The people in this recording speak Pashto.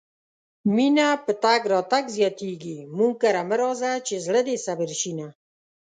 مينه په تګ راتګ زياتيږي مونږ کره مه راځه چې زړه دې صبر شينه